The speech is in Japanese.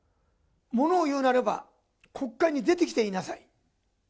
物を言うならば、国会に出てきて言いなさい。